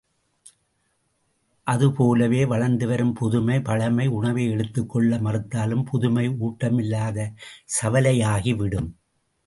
அது போலவே, வளர்ந்துவரும் புதுமை, பழைமை, உணவை எடுத்துக் கொள்ள மறுத்தாலும் புதுமை ஊட்டமில்லாத சவலையாகிவிடும்.